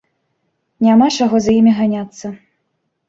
Няма чаго за імі ганяцца.